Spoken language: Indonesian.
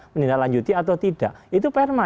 menindaklanjuti atau tidak itu perma